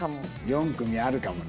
４組あるかもな。